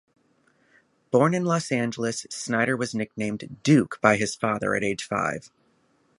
Born in Los Angeles, Snider was nicknamed "Duke" by his father at age five.